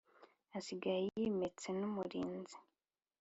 Asiga yimitse n’umurinzi